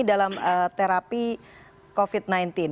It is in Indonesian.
dalam terapi covid sembilan belas